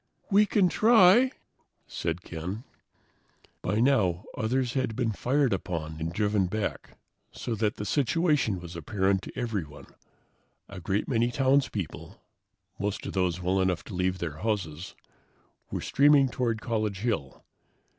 "We can try," said Ken. By now, others had been fired upon and driven back, so that the situation was apparent to everyone. A great many townspeople, most of those well enough to leave their houses, were streaming toward College Hill.